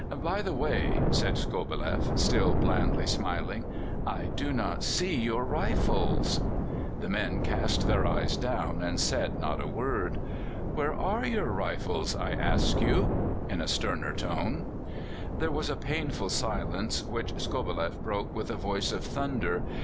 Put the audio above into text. "By the way," said Skobeleff, still blandly smiling, "I do not see your rifles!" The men cast their eyes down and said not a word. "Where are your rifles, I ask you?" in a sterner tone. There was a painful silence, which Skobeleff broke with a voice of thunder.